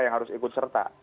yang harus ikut serta